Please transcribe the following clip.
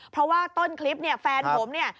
เพราะว่าต้นคลิปเนี่ยแฟนผมเนี่ย